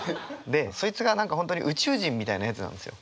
でそいつが何か本当に宇宙人みたいなやつなんですよ。